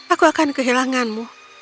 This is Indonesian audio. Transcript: aku akan kehilanganmu